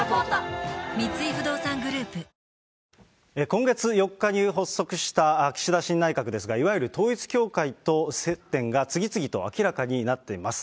今月４日に発足した岸田新内閣ですが、いわゆる統一教会と接点が次々と明らかになっています。